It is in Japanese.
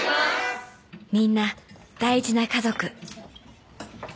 ［みんな大事な家族］